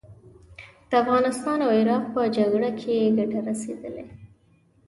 د افغانستان او عراق په جګړه کې ګټه رسېدلې.